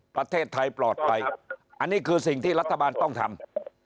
ประเทศไทยปลอดภัยอันนี้คือสิ่งที่รัฐบาลต้องทำ